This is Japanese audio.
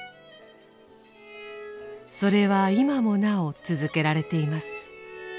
それは今もなお続けられています。